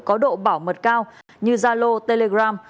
có độ bảo mật cao như zalo telegram